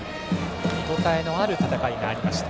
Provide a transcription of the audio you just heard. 見応えのある戦いがありました